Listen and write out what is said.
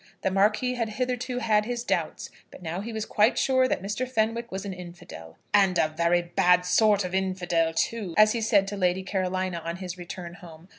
The Marquis had hitherto had his doubts, but now he was quite sure that Mr. Fenwick was an infidel. "And a very bad sort of infidel, too," as he said to Lady Carolina on his return home.